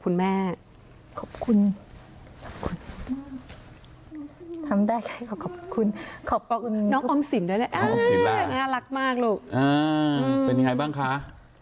เผินอย่าแกล้งน้องสิคะ